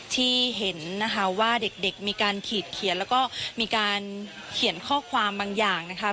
ที่เห็นนะคะว่าเด็กมีการขีดเขียนแล้วก็มีการเขียนข้อความบางอย่างนะคะ